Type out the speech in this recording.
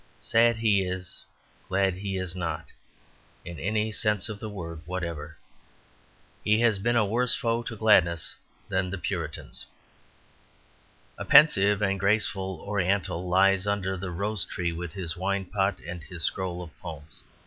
Sad he is; glad he is not, in any sense of the word whatever. He has been a worse foe to gladness than the Puritans. A pensive and graceful Oriental lies under the rose tree with his wine pot and his scroll of poems.